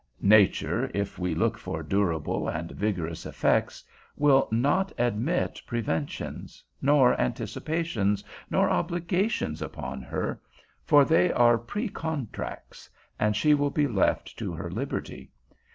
Nature (if we look for durable and vigorous effects) will not admit preventions, nor anticipations, nor obligations upon her, for they are precontracts, and she will be left to her liberty.